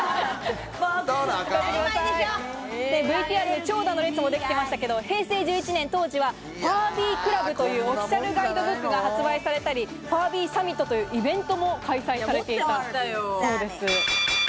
ＶＴＲで長蛇の列もできていましたけど、平成１１年当時はファービークラブというオフィシャルガイドブックが発売されたり、ファービーサミットというイベントも開催されていたそうです。